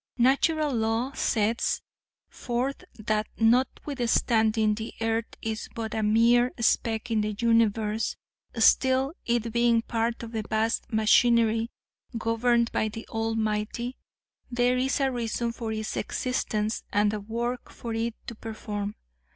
"Natural Law sets forth that notwithstanding the earth is but a mere speck in the universe, still, it being a part of the vast machinery governed by the Almighty, there is a reason for its existence and a work for it to perform.